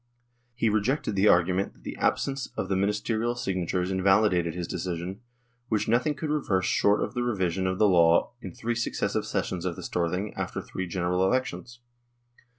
He rejected the argu ment that the absence of the Ministerial signatures invalidated his decision, which nothing could reverse short of the revision of the law in three successive sessions of the Storthing after three General Elec tions.